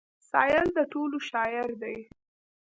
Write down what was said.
سايل د ټولو شاعر دی.